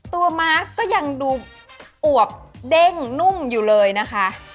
มาร์ชก็ยังดูอวบเด้งนุ่มอยู่เลยนะคะ